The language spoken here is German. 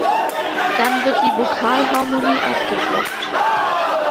Dann wird die Vokalharmonie abgeblockt.